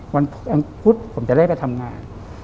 วันอังพุธผมจะได้ไปทำงาน